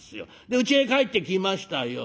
でうちへ帰ってきましたよ。